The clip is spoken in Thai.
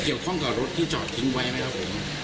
เกี่ยวข้องกับรถที่จอดทิ้งไว้ไหมครับผม